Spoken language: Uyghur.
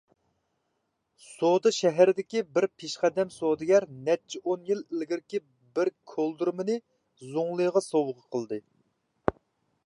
سودا شەھىرىدىكى بىر پېشقەدەم سودىگەر نەچچە ئون يىل ئىلگىرىكى بىر كولدۇرمىنى زۇڭلىغا سوۋغا قىلدى.